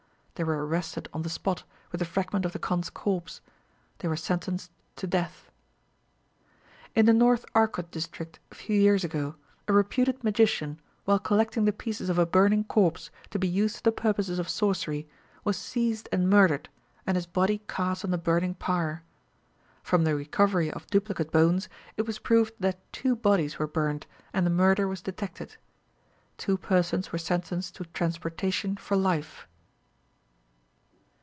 They were arrested on the spot, with the fragment of the Kondh's corpse. They were sentenced to death. In the North Arcot district, a few years ago, a reputed magician, while collecting the pieces of a burning corpse, to be used for the purposes of sorcery, was seized and murdered, and his body cast on the burning pyre. From the recovery of duplicate bones, it was proved that two bodies were burnt, and the murder was detected. Two persons were sentenced to transportation for life.